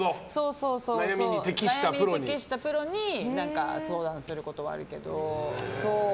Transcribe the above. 悩みに適したプロに相談することはあるけど。